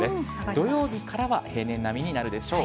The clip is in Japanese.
土曜日からは平年並みになるでしょう。